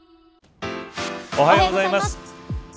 おはようございます。